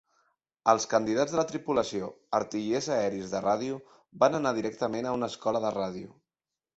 Els candidats de la tripulació "artillers aeris de ràdio" van anar directament a una escola de ràdio.